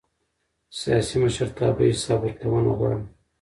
سیاسي مشرتابه حساب ورکونه غواړي